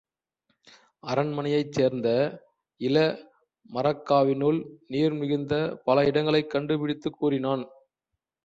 அரண்மனையைச் சேர்ந்த இள மரக்காவினுள் நீர் மிகுந்த பல இடங்களைக் கண்டு பிடித்துக் கூறினான்.